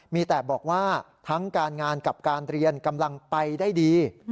มีแต่บอกว่าทั้งการงานกับการเรียนกำลังไปได้ดี